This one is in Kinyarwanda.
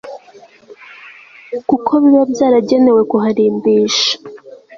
kukobiba byaragenewe kuharimbisha